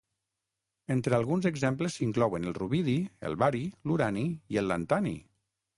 Entre alguns exemples s'inclouen: el rubidi, el bari, l'urani, i el lantani.